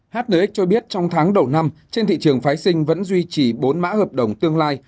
hnx cho biết trong tháng đầu năm trên thị trường phái sinh vẫn duy trì bốn mã hợp đồng tương lai